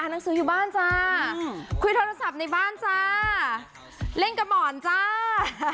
หนังสืออยู่บ้านจ้าคุยโทรศัพท์ในบ้านจ้าเล่นกับหมอนจ้า